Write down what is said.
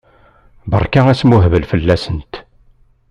Berka asmuhbel fell-asent!